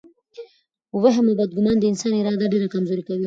وهم او بدګماني د انسان اراده ډېره کمزورې کوي.